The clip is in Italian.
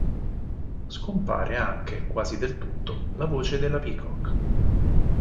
Scompare anche, quasi del tutto, la voce della Peacock.